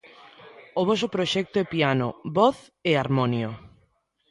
O voso proxecto é piano, voz e harmonio.